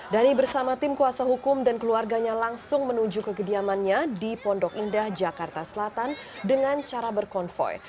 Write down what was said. dhani bersama tim kuasa hukum dan keluarganya langsung menuju ke kediamannya di pondok indah jakarta selatan dengan cara berkonvoy